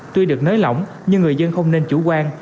tuy được nới lỏng nhưng người dân không nên chủ quan